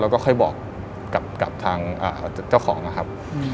แล้วก็ค่อยบอกกับทางเจ้าของนะครับ